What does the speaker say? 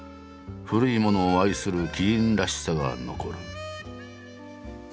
古いものを愛する希林らしさが残る。